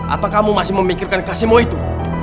apa kamu masih memikirkan kasihmu itu